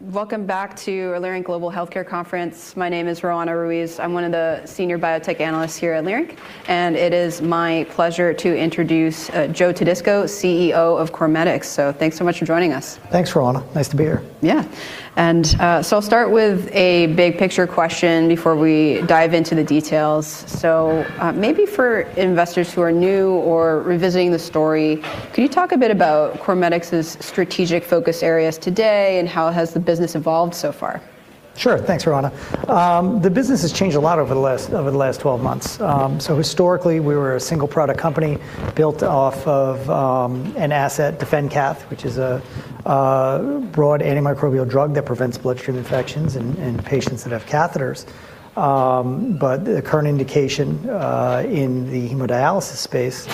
Welcome back to Leerink Global Healthcare Conference. My name is Roanna Ruiz. I'm one of the senior biotech analysts here at Leerink, and it is my pleasure to introduce Joseph Todisco, CEO of CorMedix. Thanks so much for joining us. Thanks, Roanna. Nice to be here. Yeah. I'll start with a big picture question before we dive into the details. Maybe for investors who are new or revisiting the story, could you talk a bit about CorMedix's strategic focus areas today, and how has the business evolved so far? Sure. Thanks, Roanna. The business has changed a lot over the last 12 months. Historically, we were a single product company built off of an asset, DefenCath, which is a broad antimicrobial drug that prevents bloodstream infections in patients that have catheters. The current indication in the hemodialysis space,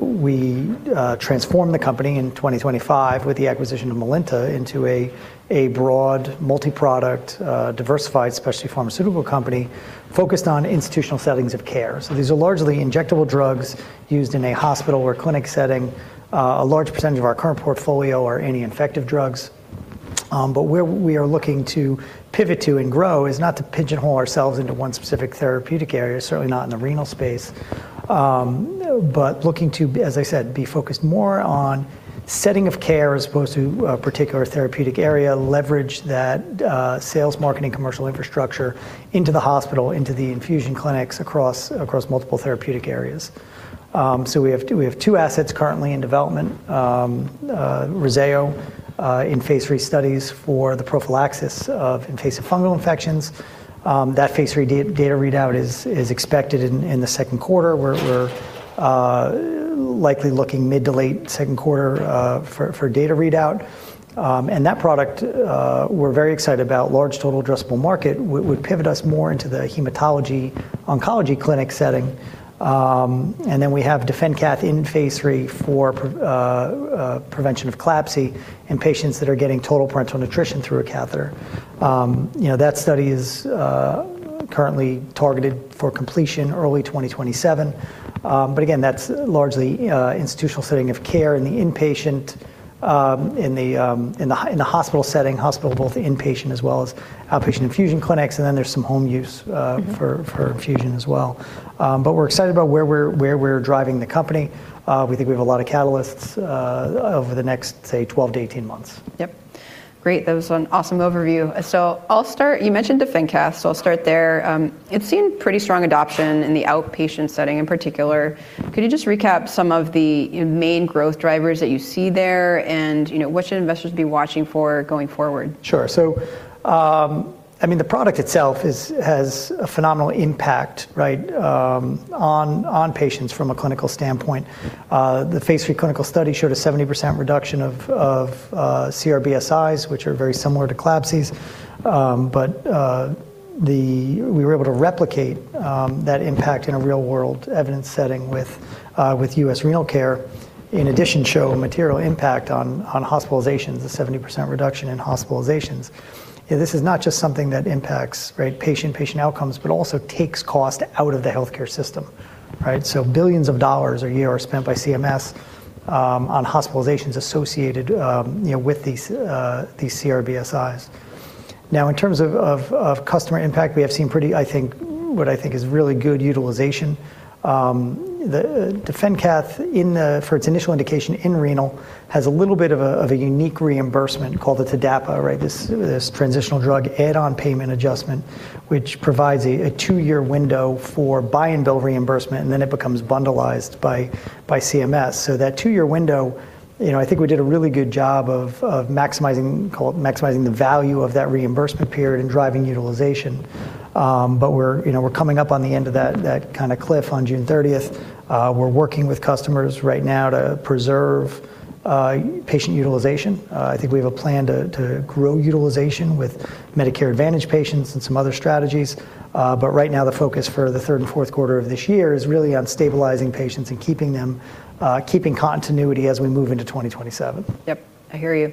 we transformed the company in 2025 with the acquisition of Melinta into a broad multiproduct diversified specialty pharmaceutical company focused on institutional settings of care. These are largely injectable drugs used in a hospital or clinic setting. A large percentage of our current portfolio are anti-infective drugs. Where we are looking to pivot to and grow is not to pigeonhole ourselves into one specific therapeutic area, certainly not in the renal space, but looking to be, as I said, focused more on setting of care as opposed to a particular therapeutic area, leverage that sales, marketing, commercial infrastructure into the hospital, into the infusion clinics across multiple therapeutic areas. We have 2 assets currently in development. REZZAYO in Phase 3 studies for the prophylaxis of invasive fungal infections. That Phase 3 data readout is expected in the second quarter. We're likely looking mid-to-late second quarter for data readout. That product, we're very excited about. Large total addressable market would pivot us more into the hematology oncology clinic setting. We have DefenCath in Phase 3 for prevention of CLABSI in patients that are getting total parenteral nutrition through a catheter. You know, that study is currently targeted for completion early 2027. But again, that's largely institutional setting of care in the inpatient hospital setting, both inpatient as well as outpatient infusion clinics, and then there's some home use. Mm-hmm for infusion as well. We're excited about where we're driving the company. We think we have a lot of catalysts over the next, say, 12-18 months. Yep. Great. That was an awesome overview. I'll start. You mentioned DefenCath, so I'll start there. It's seen pretty strong adoption in the outpatient setting in particular. Could you just recap some of the main growth drivers that you see there? You know, what should investors be watching for going forward? Sure. I mean, the product itself is has a phenomenal impact, right, on patients from a clinical standpoint. The Phase 3 clinical study showed a 70% reduction of CRBSIs, which are very similar to CLABSIs, we were able to replicate that impact in a real world evidence setting with U.S. Renal Care, in addition show material impact on hospitalizations, a 70% reduction in hospitalizations. You know, this is not just something that impacts, right, patient outcomes, but also takes cost out of the healthcare system. Right. Billions of dollars a year are spent by CMS on hospitalizations associated with these CRBSIs. Now, in terms of customer impact, we have seen pretty, what I think is really good utilization. The DefenCath for its initial indication in renal has a little bit of a unique reimbursement called the TDAPA, right? This Transitional Drug Add-on Payment Adjustment, which provides a two-year window for buy and bill reimbursement, and then it becomes bundled by CMS. That two-year window, you know, I think we did a really good job of maximizing, call it maximizing the value of that reimbursement period and driving utilization. We're, you know, we're coming up on the end of that kinda cliff on June thirtieth. We're working with customers right now to preserve patient utilization. I think we have a plan to grow utilization with Medicare Advantage patients and some other strategies. Right now, the focus for the third and fourth quarter of this year is really on stabilizing patients and keeping them, keeping continuity as we move into 2027. Yep. I hear you.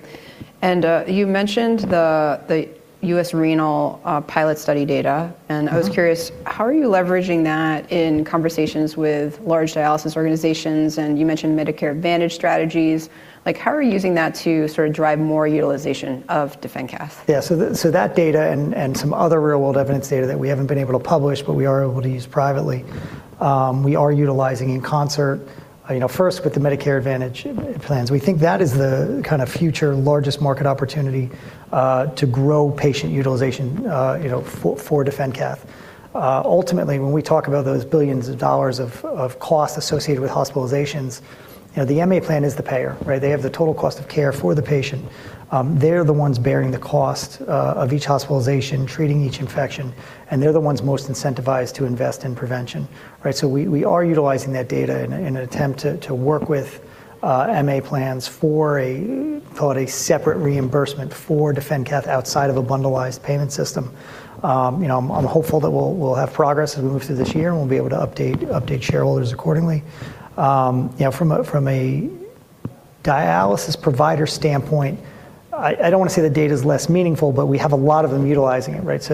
You mentioned the U.S. Renal Care pilot study data. Mm-hmm. I was curious, how are you leveraging that in conversations with large dialysis organizations? You mentioned Medicare Advantage strategies. Like, how are you using that to sort of drive more utilization of DefenCath? Yeah. That data and some other real world evidence data that we haven't been able to publish, but we are able to use privately, we are utilizing in concert, you know, first with the Medicare Advantage plans. We think that is the kinda future largest market opportunity to grow patient utilization, you know, for DefenCath. Ultimately, when we talk about those billions of dollars of costs associated with hospitalizations, you know, the MA plan is the payer, right? They have the total cost of care for the patient. They're the ones bearing the cost of each hospitalization, treating each infection, and they're the ones most incentivized to invest in prevention. Right? We are utilizing that data in an attempt to work with MA plans for, call it, a separate reimbursement for DefenCath outside of a bundled payment system. You know, I'm hopeful that we'll have progress as we move through this year, and we'll be able to update shareholders accordingly. You know, from a dialysis provider standpoint, I don't wanna say the data's less meaningful, but we have a lot of them utilizing it, right?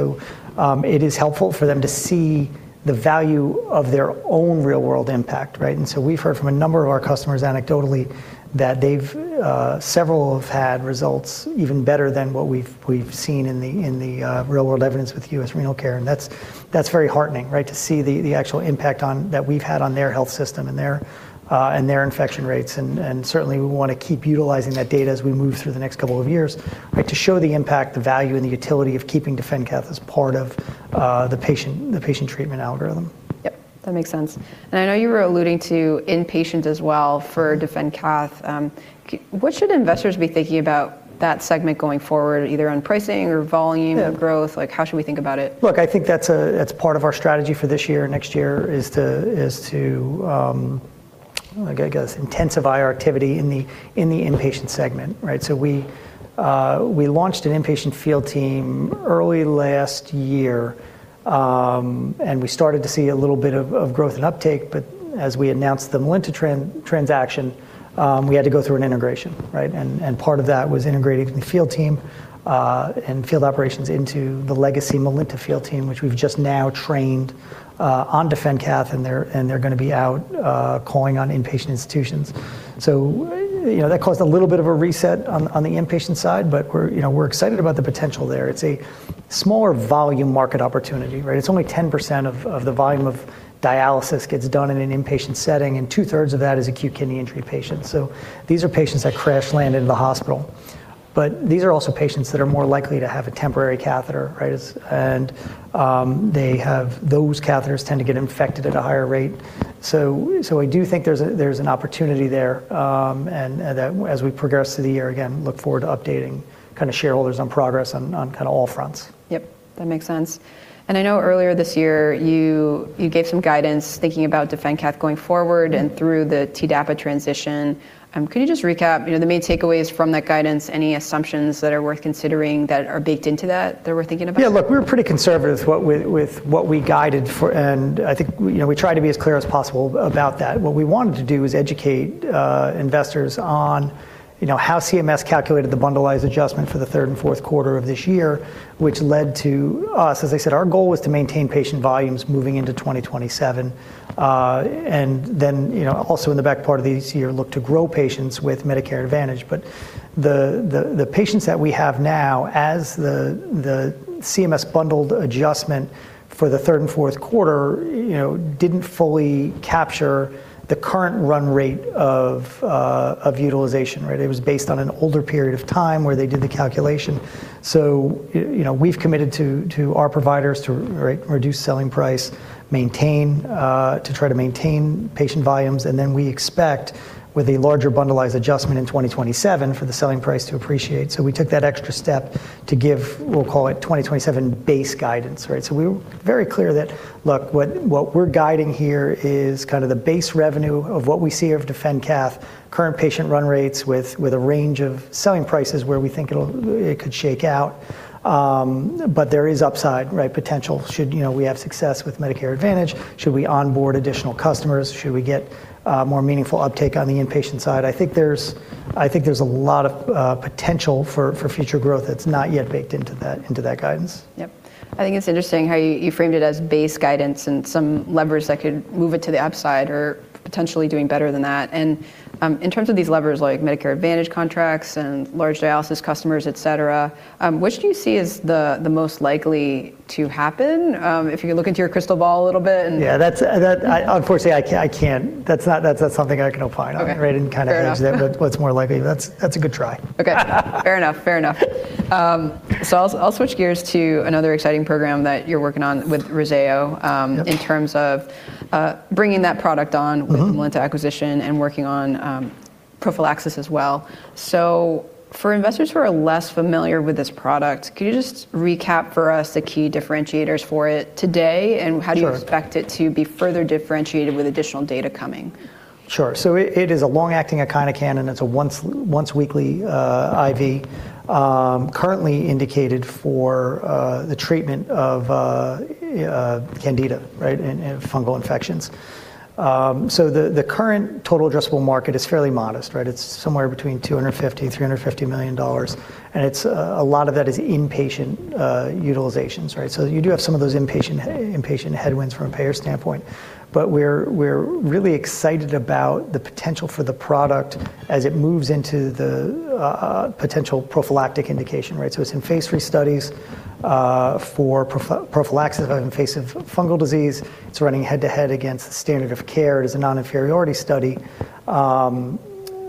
It is helpful for them to see the value of their own real-world impact, right? We've heard from a number of our customers anecdotally that several have had results even better than what we've seen in the real-world evidence with U.S. Renal Care, and that's very heartening, right? To see the actual impact on that we've had on their health system and their infection rates and certainly we wanna keep utilizing that data as we move through the next couple of years, right? To show the impact, the value, and the utility of keeping DefenCath as part of the patient treatment algorithm. Yep. That makes sense. I know you were alluding to inpatient as well for DefenCath. What should investors be thinking about that segment going forward, either on pricing or volume? Yeah or growth? Like, how should we think about it? Look, I think that's part of our strategy for this year and next year, is to, I guess intensify our activity in the inpatient segment, right? We launched an inpatient field team early last year, and we started to see a little bit of growth and uptake, but as we announced the Melinta transaction, we had to go through an integration, right? Part of that was integrating the field team and field operations into the legacy Melinta field team, which we've just now trained on DefenCath, and they're gonna be out calling on inpatient institutions. You know, that caused a little bit of a reset on the inpatient side, but we're excited about the potential there. It's a smaller volume market opportunity, right? It's only 10% of the volume of dialysis gets done in an inpatient setting, and two-thirds of that is acute kidney injury patients. These are patients that crash land into the hospital. These are also patients that are more likely to have a temporary catheter, right? Those catheters tend to get infected at a higher rate. I do think there's an opportunity there, and that as we progress through the year, again, look forward to updating kinda shareholders on progress on kinda all fronts. Yep. That makes sense. I know earlier this year you gave some guidance thinking about DefenCath going forward and through the TDAPA transition. Could you just recap, you know, the main takeaways from that guidance, any assumptions that are worth considering that are baked into that that we're thinking about? Yeah, look, we were pretty conservative with what we guided for, and I think, you know, we tried to be as clear as possible about that. What we wanted to do was educate investors on, you know, how CMS calculated the bundled adjustment for the third and fourth quarter of this year, which led to us. As I said, our goal was to maintain patient volumes moving into 2027, and then, you know, also in the back part of this year, look to grow patients with Medicare Advantage. But the patients that we have now, as the CMS bundled adjustment for the third and fourth quarter, you know, didn't fully capture the current run rate of of utilization, right? It was based on an older period of time where they did the calculation. You know, we've committed to our providers to reduce selling price, maintain, to try to maintain patient volumes, and then we expect with a larger bundled adjustment in 2027 for the selling price to appreciate. We took that extra step to give, we'll call it, 2027 base guidance, right? We were very clear that, look, what we're guiding here is kinda the base revenue of what we see of DefenCath, current patient run rates with a range of selling prices where we think it'll, it could shake out. There is upside, right? Potential should, you know, we have success with Medicare Advantage, should we onboard additional customers, should we get more meaningful uptake on the inpatient side. I think there's a lot of potential for future growth that's not yet baked into that guidance. Yep. I think it's interesting how you framed it as base guidance and some levers that could move it to the upside or potentially doing better than that. In terms of these levers like Medicare Advantage contracts and large dialysis customers, et cetera, which do you see as the most likely to happen, if you look into your crystal ball a little bit and- Yeah, I unfortunately can't. That's not something I can opine on. Okay. Fair enough. Right? Kinda hedge that what's more likely, but that's a good try. Okay. Fair enough. I'll switch gears to another exciting program that you're working on with Roanna- Yep in terms of bringing that product on- Mm-hmm with the Melinta acquisition and working on, prophylaxis as well. For investors who are less familiar with this product, could you just recap for us the key differentiators for it today? How do you- Sure Expect it to be further differentiated with additional data coming? Sure. It is a long-acting echinocandin. It's a once-weekly IV currently indicated for the treatment of Candida, right? And fungal infections. The current total addressable market is fairly modest, right? It's somewhere between $250-$350 million, and a lot of that is inpatient utilizations, right? You do have some of those inpatient headwinds from a payer standpoint. We're really excited about the potential for the product as it moves into the potential prophylactic indication, right? It's in Phase 3 studies for prophylaxis of invasive fungal disease. It's running head-to-head against the standard of care. It is a non-inferiority study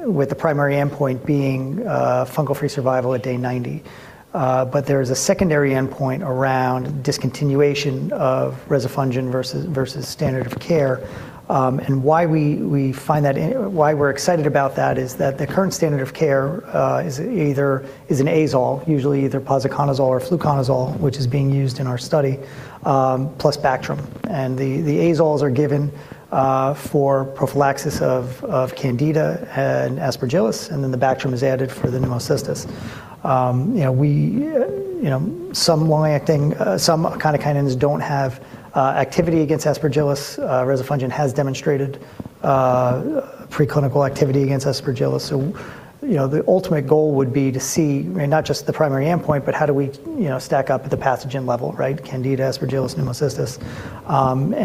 with the primary endpoint being fungal-free survival at day 90. There is a secondary endpoint around discontinuation of rezafungin versus standard of care. Why we find or why we're excited about that is that the current standard of care is an azole, usually either posaconazole or fluconazole, which is being used in our study, plus Bactrim. The azoles are given for prophylaxis of Candida and Aspergillus, and then the Bactrim is added for the Pneumocystis. You know, some echinocandins don't have activity against Aspergillus. Rezafungin has demonstrated preclinical activity against Aspergillus, so you know, the ultimate goal would be to see, I mean, not just the primary endpoint, but how do we you know, stack up at the pathogen level, right? Candida, Aspergillus, Pneumocystis.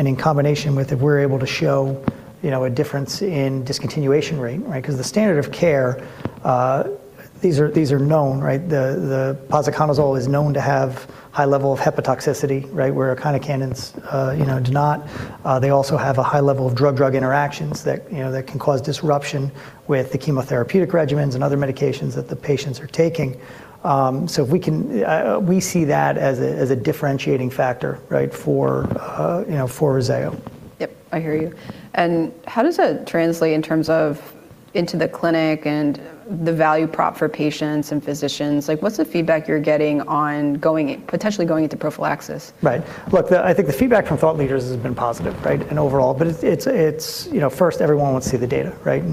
In combination with, if we're able to show, you know, a difference in discontinuation rate, right? 'Cause the standard of care, these are known, right? The posaconazole is known to have high level of hepatotoxicity, right? Where echinocandins, you know, do not. They also have a high level of drug-drug interactions that, you know, that can cause disruption with the chemotherapeutic regimens and other medications that the patients are taking. If we can, we see that as a differentiating factor, right, for, you know, for REZZAYO. Yep. I hear you. How does that translate in terms of into the clinic and the value prop for patients and physicians? Like, what's the feedback you're getting on going potentially into prophylaxis? Right. Look, I think the feedback from thought leaders has been positive, right? Overall, it's, you know, first everyone wants to see the data, right?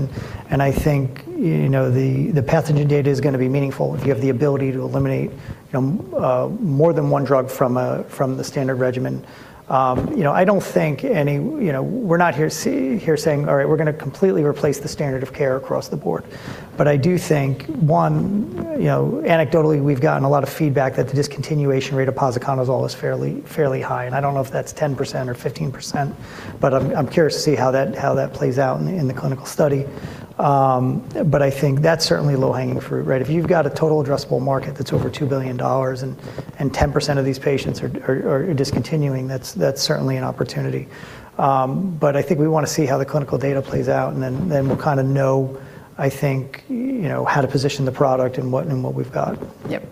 I think, you know, the pathogen data is gonna be meaningful if you have the ability to eliminate, you know, more than one drug from the standard regimen. I don't think, you know, we're not here saying, "All right, we're gonna completely replace the standard of care across the board." I do think, one, you know, anecdotally, we've gotten a lot of feedback that the discontinuation rate of posaconazole is fairly high, and I don't know if that's 10% or 15%, but I'm curious to see how that plays out in the clinical study. I think that's certainly low-hanging fruit, right? If you've got a total addressable market that's over $2 billion and 10% of these patients are discontinuing, that's certainly an opportunity. I think we wanna see how the clinical data plays out, and then we'll kinda know, I think, you know, how to position the product and what we've got. Yep.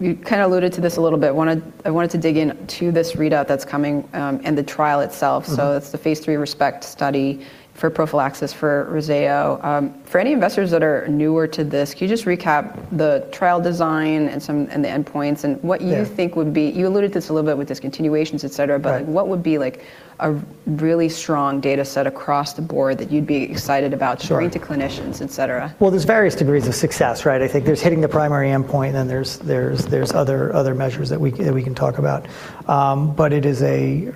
You kinda alluded to this a little bit. I wanted to dig into this readout that's coming, and the trial itself. Mm-hmm. That's the Phase 3 ReSPECT study for prophylaxis for REZZAYO. For any investors that are newer to this, can you just recap the trial design and the endpoints and what- Yeah You think would be. You alluded to this a little bit with discontinuations, et cetera. Right. what would be like a really strong data set across the board that you'd be excited about? Sure to bring to clinicians, et cetera? Well, there's various degrees of success, right? I think there's hitting the primary endpoint, and there's other measures that we can talk about. But it is a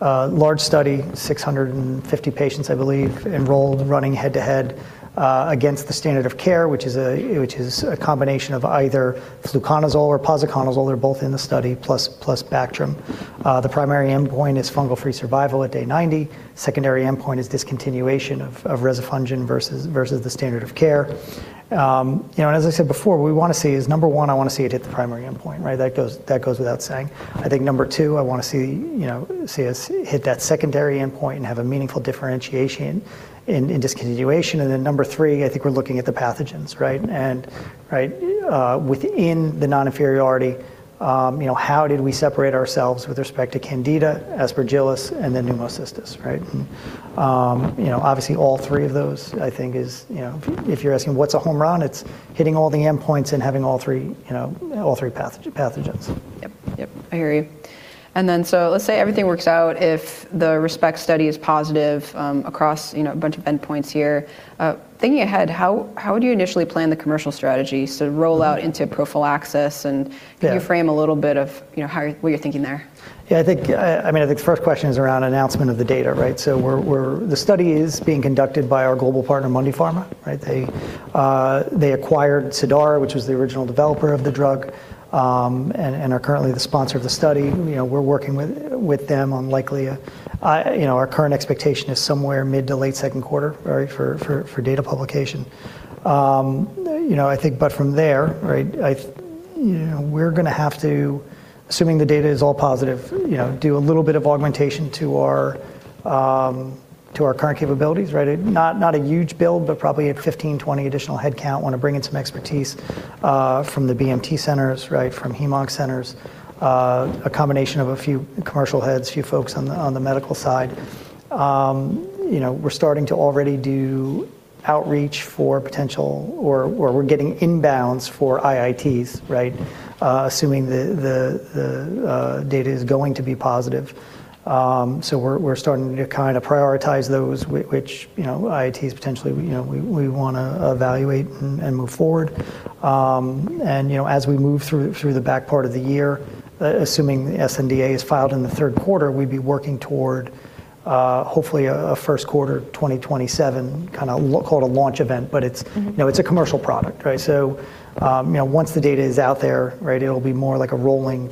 large study, 650 patients, I believe, enrolled running head-to-head against the standard of care, which is a combination of either fluconazole or posaconazole. They're both in the study plus Bactrim. The primary endpoint is fungal-free survival at day 90. Secondary endpoint is discontinuation of rezafungin versus the standard of care. You know, and as I said before, what we wanna see is, number one, I wanna see it hit the primary endpoint, right? That goes without saying. I think number two, I wanna see, you know, see us hit that secondary endpoint and have a meaningful differentiation in discontinuation. Then number three, I think we're looking at the pathogens, right? Right, within the non-inferiority, you know, how did we separate ourselves with respect to Candida, Aspergillus, and then Pneumocystis, right? You know, obviously, all three of those, I think, is, you know, if you're asking what's a home run, it's hitting all the endpoints and having all three, you know, all three pathogens. Yep. I hear you. Let's say everything works out, if the ReSPECT study is positive, across, you know, a bunch of endpoints here, thinking ahead, how would you initially plan the commercial strategy? Roll out into prophylaxis and- Yeah Can you frame a little bit of, you know, how are you, what you're thinking there? Yeah. I think, I mean, I think the first question is around announcement of the data, right? The study is being conducted by our global partner, Mundipharma. Right? They acquired Cidara, which was the original developer of the drug, and are currently the sponsor of the study. You know, we're working with them on likely a, you know, our current expectation is somewhere mid to late second quarter, right, for data publication. You know, I think from there, right, you know, we're gonna have to, assuming the data is all positive, you know, do a little bit of augmentation to our current capabilities, right? Not a huge build, but probably a 15-20 additional headcount. Want to bring in some expertise from the BMT centers, right, from hem/onc centers, a combination of a few commercial heads, a few folks on the medical side. You know, we're starting to already do outreach for potential where we're getting inbounds for IITs, right, assuming the data is going to be positive. We're starting to kinda prioritize those which, you know, IITs potentially, you know, we wanna evaluate and move forward. You know, as we move through the back part of the year, assuming the sNDA is filed in the third quarter, we'd be working toward hopefully a first quarter 2027 kinda called a launch event, but it's. Mm-hmm You know, it's a commercial product, right? You know, once the data is out there, right, it'll be more like a rolling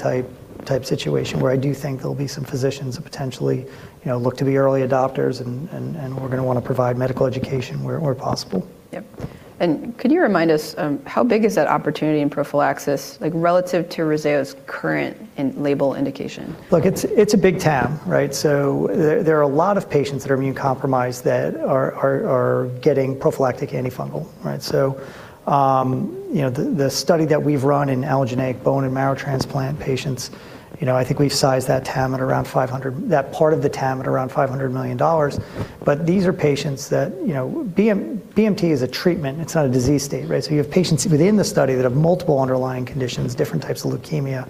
type situation where I do think there'll be some physicians that potentially, you know, look to the early adopters and we're gonna wanna provide medical education where possible. Yep. Could you remind us, how big is that opportunity in prophylaxis, like relative to REZZAYO's current in-label indication? Look, it's a big TAM, right? There are a lot of patients that are immunocompromised that are getting prophylactic antifungal, right? You know, the study that we've run in allogeneic bone marrow transplant patients, you know, I think we've sized that TAM at around 500, that part of the TAM at around $500 million. These are patients that, you know, BMT is a treatment. It's not a disease state, right? You have patients within the study that have multiple underlying conditions, different types of leukemia.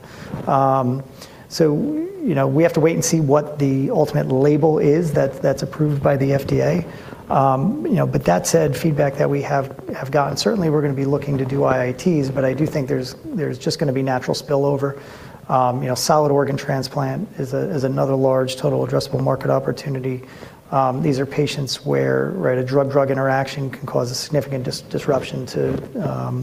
You know, we have to wait and see what the ultimate label is that's approved by the FDA. You know, that said, feedback that we have gotten, certainly we're gonna be looking to do IITs, but I do think there's just gonna be natural spillover. You know, solid organ transplant is another large total addressable market opportunity. These are patients where, right, a drug-drug interaction can cause a significant disruption to,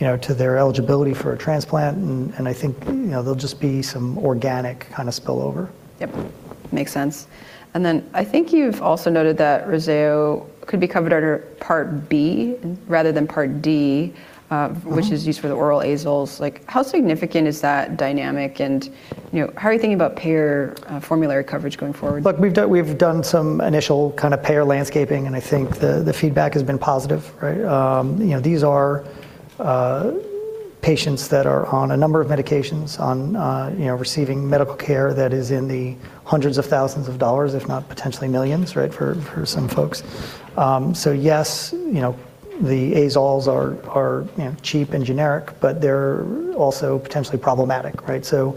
you know, to their eligibility for a transplant. I think, you know, there'll be some organic kinda spillover. Yep. Makes sense. Then I think you've also noted that REZZAYO could be covered under Part B rather than Part D, which is used for the oral azoles. Like, how significant is that dynamic, and, you know, how are you thinking about payer formulary coverage going forward? Look, we've done some initial kinda payer landscaping, and I think the feedback has been positive, right? You know, these are patients that are on a number of medications, you know, receiving medical care that is in the hundreds of thousands of dollars, if not potentially millions, right, for some folks. Yes, you know, the azoles are cheap and generic, but they're also potentially problematic, right? You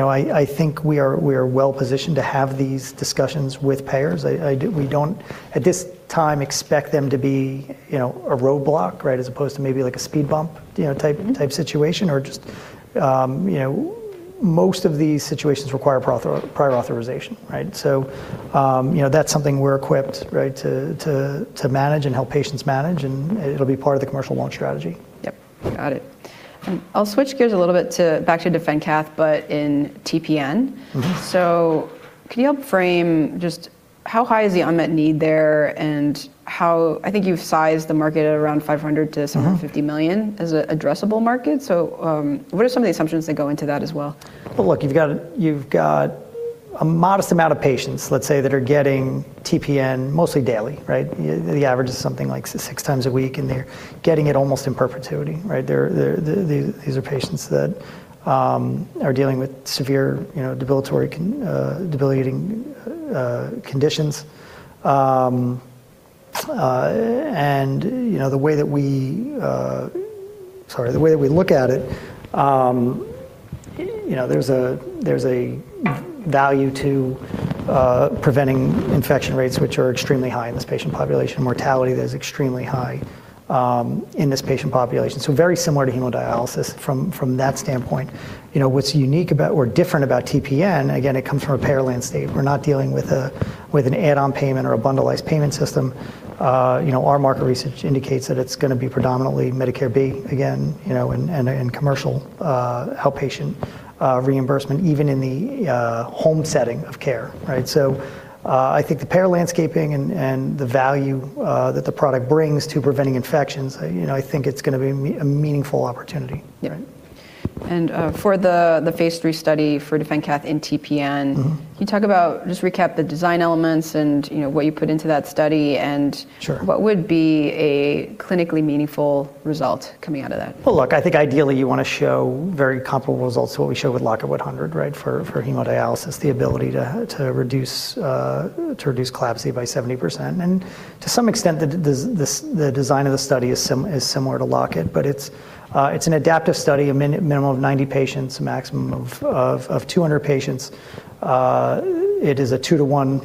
know, I think we are well positioned to have these discussions with payers. I do. We don't at this time expect them to be a roadblock, right, as opposed to maybe, like, a speed bump, you know, type situation. Just, you know, most of these situations require prior authorization, right? You know, that's something we're equipped, right, to manage and help patients manage, and it'll be part of the commercial launch strategy. Yep. Got it. I'll switch gears a little bit to back to DefenCath, but in TPN. Mm-hmm. Can you help frame just how high is the unmet need there and how I think you've sized the market at around 500 to- Mm-hmm $750 million as an addressable market. What are some of the assumptions that go into that as well? Well, look, you've got a modest amount of patients, let's say, that are getting TPN mostly daily, right? The average is something like 6 times a week, and they're getting it almost in perpetuity, right? These are patients that are dealing with severe, you know, debilitating conditions. You know, the way that we look at it, you know, there's a value to preventing infection rates, which are extremely high in this patient population. Mortality is extremely high in this patient population. Very similar to hemodialysis from that standpoint. You know, what's unique about or different about TPN, again, it comes from a payer landscape. We're not dealing with an add-on payment or a bundled payment system. You know, our market research indicates that it's gonna be predominantly Medicare B again, you know, and commercial outpatient reimbursement, even in the home setting of care, right? I think the payer landscape and the value that the product brings to preventing infections, you know, I think it's gonna be a meaningful opportunity. Yeah. Right? for the Phase 3 study for DefenCath in TPN Mm-hmm Can you talk about, just recap the design elements and, you know, what you put into that study? Sure What would be a clinically meaningful result coming out of that? Well, look, I think ideally you wanna show very comparable results to what we showed with LOCK-IT-100, right, for hemodialysis, the ability to reduce CLABSI by 70%. To some extent, the design of the study is similar to LOCK-IT, but it's an adaptive study, a minimum of 90 patients, a maximum of 200 patients. It is a two-to-one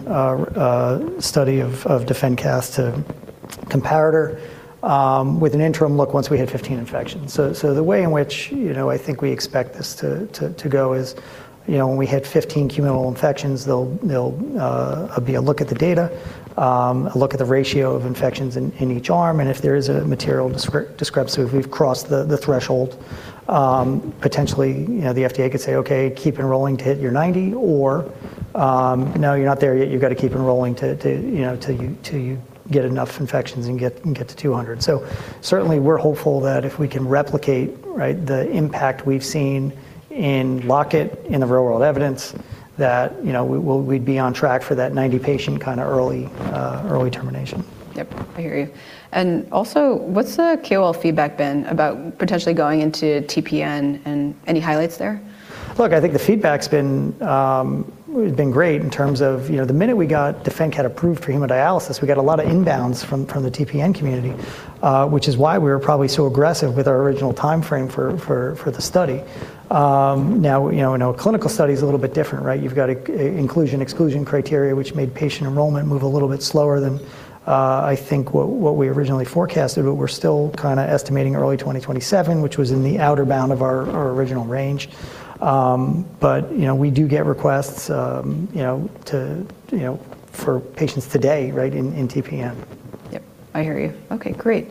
study of DefenCath to comparator, with an interim look once we hit 15 infections. The way in which, you know, I think we expect this to go is, you know, when we hit 15 cumulative infections, there'll be a look at the data, a look at the ratio of infections in each arm, and if there is a material discrepancy, if we've crossed the threshold, potentially, you know, the FDA could say, "Okay, keep enrolling to hit your 90," or, "No, you're not there yet. You've got to keep enrolling to, you know, till you get enough infections and get to 200." Certainly we're hopeful that if we can replicate, right, the impact we've seen in LOCK-IT in the real world evidence that, you know, we'd be on track for that 90-patient kinda early termination. Yep. I hear you. Also, what's the KOL feedback been about potentially going into TPN, and any highlights there? Look, I think the feedback's been great in terms of, you know, the minute we got DefenCath approved for hemodialysis, we got a lot of inbounds from the TPN community, which is why we were probably so aggressive with our original timeframe for the study. Now, you know, in a clinical study, it's a little bit different, right? You've got a inclusion/exclusion criteria, which made patient enrollment move a little bit slower than I think what we originally forecasted, but we're still kinda estimating early 2027, which was in the outer bound of our original range. You know, we do get requests, you know, to you know for patients today, right, in TPN. Yep. I hear you. Okay, great.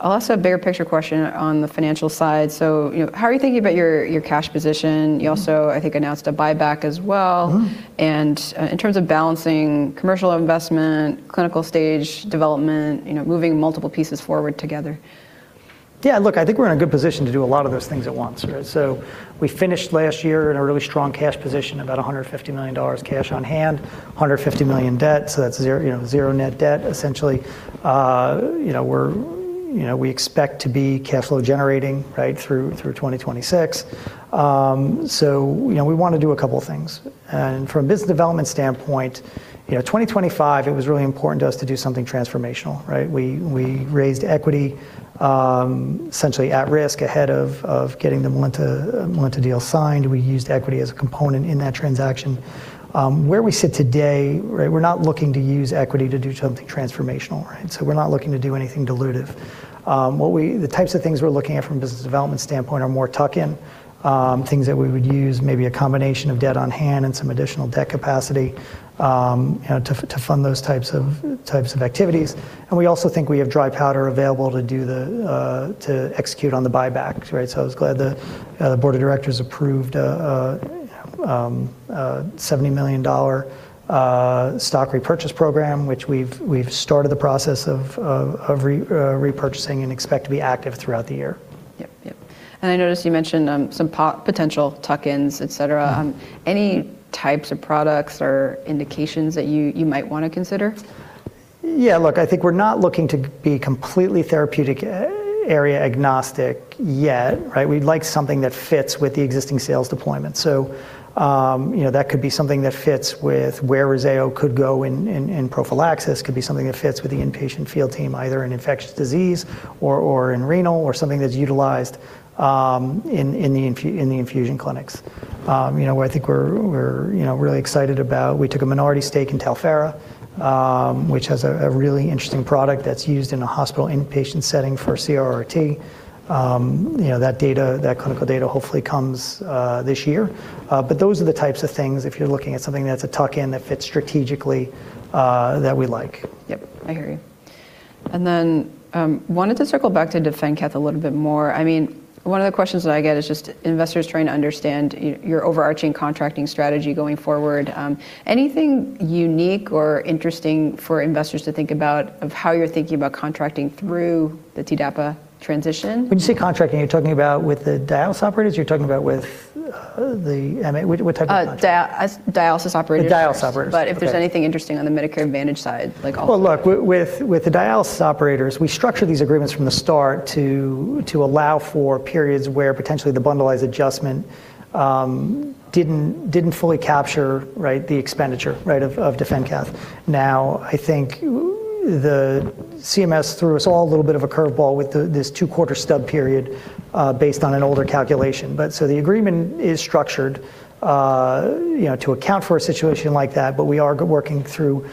Also a bigger picture question on the financial side. You know, how are you thinking about your cash position? You also I think announced a buyback as well. Mm-hmm. In terms of balancing commercial investment, clinical stage development, you know, moving multiple pieces forward together. Yeah, look, I think we're in a good position to do a lot of those things at once, right? We finished last year in a really strong cash position, about $150 million cash on hand, $150 million debt, so that's zero, you know, zero net debt essentially. You know, we expect to be cash flow generating, right, through 2026. You know, we wanna do a couple things. From a business development standpoint, you know, 2025, it was really important to us to do something transformational, right? We raised equity, essentially at risk ahead of getting the Melinta deal signed. We used equity as a component in that transaction. Where we sit today, right, we're not looking to use equity to do something transformational, right? We're not looking to do anything dilutive. The types of things we're looking at from a business development standpoint are more tuck-in things that we would use maybe a combination of debt on hand and some additional debt capacity, you know, to fund those types of activities. We also think we have dry powder available to execute on the buyback, right? I was glad the board of directors approved a $70 million stock repurchase program, which we've started the process of repurchasing and expect to be active throughout the year. Yep. I noticed you mentioned some potential tuck-ins, et cetera. Mm-hmm. Any types of products or indications that you might wanna consider? Yeah, look, I think we're not looking to be completely therapeutic area agnostic yet, right? We'd like something that fits with the existing sales deployment. You know, that could be something that fits with where REZZAYO could go in prophylaxis, could be something that fits with the inpatient field team, either in infectious disease or in renal or something that's utilized in the infusion clinics. You know, where I think we're really excited about, we took a minority stake in Talphera, which has a really interesting product that's used in a hospital inpatient setting for CRRT. You know, that clinical data hopefully comes this year. Those are the types of things, if you're looking at something that's a tuck-in that fits strategically, that we like. Yep. I hear you. Wanted to circle back to DefenCath a little bit more. I mean, one of the questions that I get is just investors trying to understand your overarching contracting strategy going forward. Anything unique or interesting for investors to think about of how you're thinking about contracting through the TDAPA transition? When you say contracting, are you talking about with the dialysis operators? You're talking about with the MA? Which type of contract? Dialysis operators. The dialysis operators. Okay. If there's anything interesting on the Medicare Advantage side. Well, look. With the dialysis operators, we structured these agreements from the start to allow for periods where potentially the bundled adjustment didn't fully capture, right, the expenditure, right, of DefenCath. Now, I think the CMS threw us all a little bit of a curveball with this 2-quarter stub period based on an older calculation. The agreement is structured, you know, to account for a situation like that, but we are working through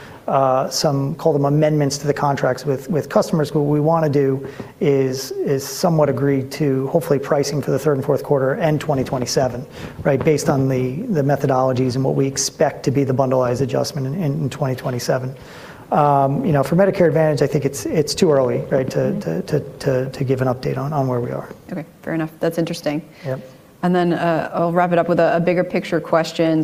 some, call them amendments to the contracts with customers. What we wanna do is somewhat agree to hopefully pricing for the third and fourth quarter and 2027, right? Based on the methodologies and what we expect to be the bundled adjustment in 2027. You know, for Medicare Advantage, I think it's too early, right? Mm-hmm To give an update on where we are. Okay. Fair enough. That's interesting. Yep. Then, I'll wrap it up with a bigger picture question.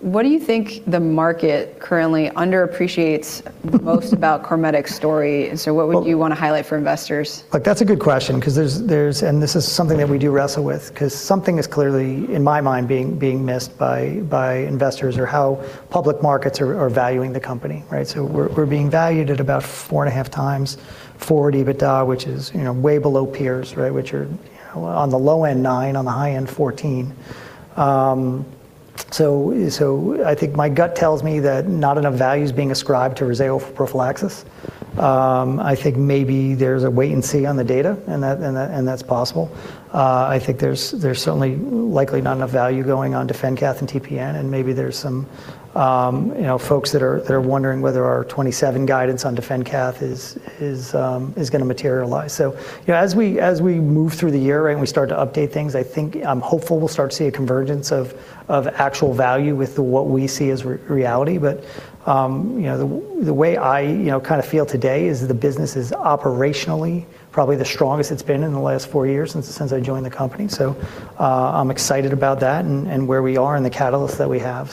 What do you think the market currently underappreciates most about CorMedix story? What would you wanna highlight for investors? Look, that's a good question because this is something that we do wrestle with, 'cause something is clearly, in my mind, being missed by investors or how public markets are valuing the company, right? We're being valued at about 4.5x forward EBITDA, which is, you know, way below peers, right? Which are on the low end, 9x. On the high end, 14x. I think my gut tells me that not enough value is being ascribed to REZZAYO for prophylaxis. I think maybe there's a wait and see on the data, and that's possible. I think there's certainly likely not enough value going on DefenCath and TPN, and maybe there's some, you know, folks that are wondering whether our 27 guidance on DefenCath is gonna materialize. You know, as we move through the year and we start to update things, I think I'm hopeful we'll start to see a convergence of actual value with what we see as reality. You know, the way I, you know, kinda feel today is that the business is operationally probably the strongest it's been in the last four years since I joined the company. I'm excited about that and where we are and the catalyst that we have.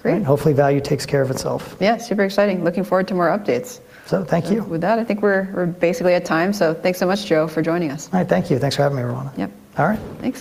Okay. Great. Hopefully value takes care of itself. Yeah. Super exciting. Looking forward to more updates. Thank you. With that, I think we're basically at time. Thanks so much, Joe, for joining us. All right. Thank you. Thanks for having me, Roanna. Yep. All right.